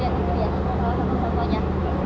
kita lihat lihat satu satunya